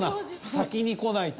先に来ないと。